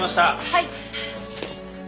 はい。